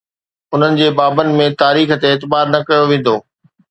انهن جي بابن ۾ تاريخ تي اعتبار نه ڪيو ويندو.